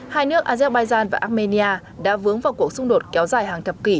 hai nước azerbaijan và armenia đã vướng vào cuộc xung đột kéo dài hàng thập kỷ